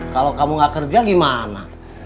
kalau kamu nggak kerja bagaimana